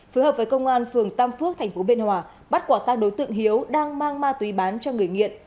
phối hợp với công an phường tam phước tp biên hòa bắt quả tang đối tượng hiếu đang mang ma túy bán cho người nghiện